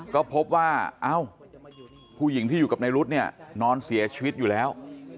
ก็พบว่าเอ้าผู้หญิงที่อยู่กับในรุ๊ดเนี่ยนอนเสียชีวิตอยู่แล้ว